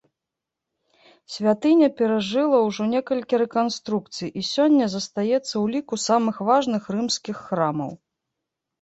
Святыня перажыла ўжо некалькі рэканструкцый і сёння застаецца ў ліку самых важных рымскіх храмаў.